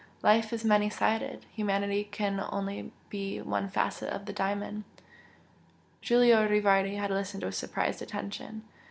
Life is many sided; humanity can only be one facet of the diamond." Giulio Rivardi had listened with surprised attention.